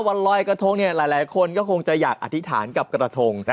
วันลอยกระทงหลายคนก็คงจะอยากอธิษฐานกับกระทง